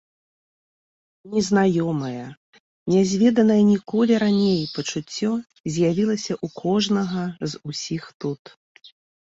Незнаёмае, нязведанае ніколі раней пачуццё з'явілася ў кожнага з усіх тут.